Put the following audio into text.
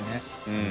うん。